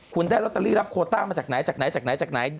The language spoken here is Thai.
คุณได้ลอตเตอรี่รับโคต้ามาจากไหนจากไหนจากไหนจากไหน